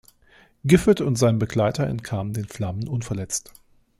Giffard und sein Begleiter entkamen den Flammen unverletzt.